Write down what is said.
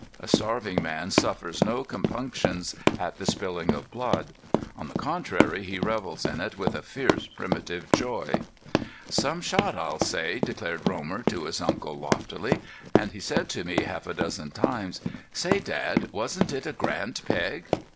A starving man suffers no compunctions at the spilling of blood. On the contrary he revels in it with a fierce, primitive joy. "Some shot, I'll say!" declared Romer to his uncle, loftily. And he said to me half a dozen times: "Say, Dad, wasn't it a grand peg?"